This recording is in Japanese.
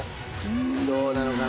どうなのかな？